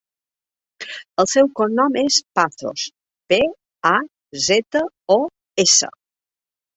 El seu cognom és Pazos: pe, a, zeta, o, essa.